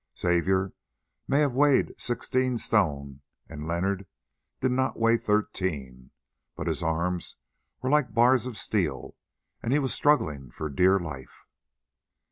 Xavier may have weighed sixteen stone and Leonard did not weigh thirteen, but his arms were like bars of steel and he was struggling for dear life.